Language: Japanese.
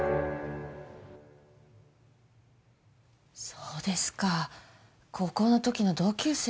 そうですか高校の時の同級生。